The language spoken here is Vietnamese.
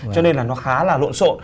cho nên là nó khá là lộn xộn